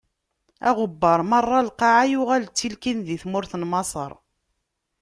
Aɣebbar meṛṛa n lqaɛa yuɣal d tilkin di tmurt n Maṣer.